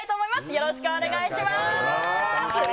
よろしくお願いします。